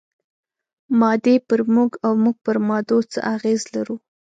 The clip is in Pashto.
مادې پر موږ او موږ پر مادو څه اغېز لرو؟